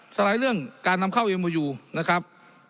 สไลด์เรื่องการนำเข้าเอ็มมือยูนะครับ